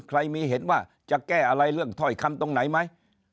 ใครมีเห็นว่าจะแก้อะไรเรื่องถ้อยคำตรงไหนไหม